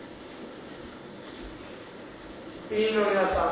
職員の皆さん